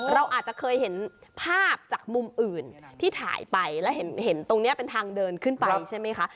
เราอาจจะเคยเห็นภาพจากมุมอื่นที่ถ่ายไปแล้วเห็นตรงนี้เป็นทางเดินขึ้นไปใช่ไหมคะ